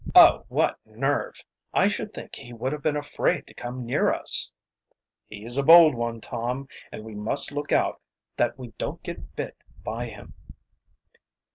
"Oh, what nerve! I should think he would have been afraid to come near us." "He's a bold one, Tom, and we must look out that we don't get bit by him."